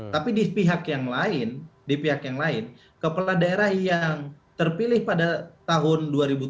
tapi di pihak yang lain kepala daerah yang terpilih pada tahun dua ribu tujuh belas dua ribu delapan belas